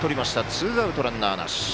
ツーアウト、ランナーなし。